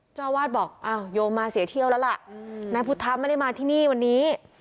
เจ้าอาวาสบอกอ้าวโยมมาเสียเที่ยวแล้วล่ะนายพุทธะไม่ได้มาที่นี่วันนี้